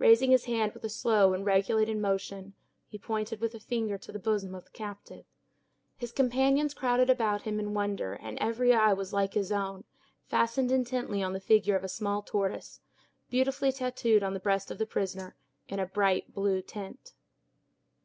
Raising his hand with a slow and regulated motion, he pointed with a finger to the bosom of the captive. His companions crowded about him in wonder and every eye was like his own, fastened intently on the figure of a small tortoise, beautifully tattooed on the breast of the prisoner, in a bright blue tint.